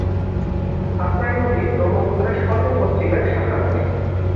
আত্রাই নদী ব্রহ্মপুত্রের সর্বপশ্চিমের শাখানদী।